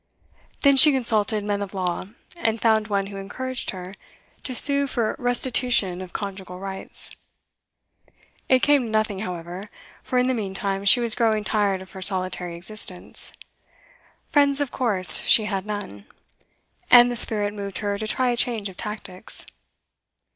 Then she consulted men of law, and found one who encouraged her to sue for restitution of conjugal rights. It came to nothing, however; for in the meantime she was growing tired of her solitary existence, friends of course she had none, and the spirit moved her to try a change of tactics.